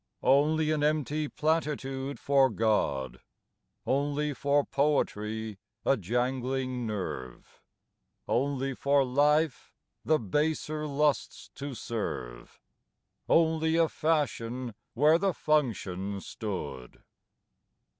I ONLY an empty platitude for God, Only for poetry a jangling nerve, Only for life the baser lusts to serve, Only a fashion where the function stood.